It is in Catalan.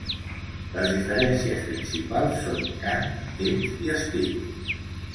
Les diferències principals són cant, temps i estil.